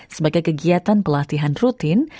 sebagai kegiatan pelatihan rutin